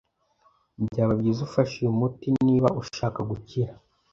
Byaba byiza ufashe uyu muti niba ushaka gukira.